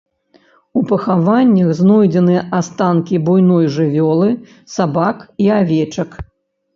У пахаваннях знойдзены астанкі буйной жывёлы, сабак і авечак.